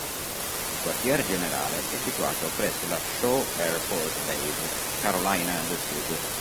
Il quartier generale è situato presso la Shaw Air Force Base, Carolina del Sud.